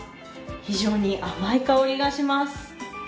非常に甘い香りがします。